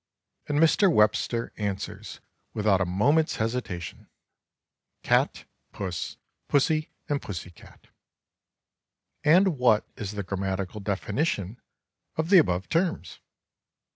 and Mr. Webster answers without a moment's hesitation: "Cat, puss, pussy and pussy cat." "And what is the grammatical definition of the above terms?"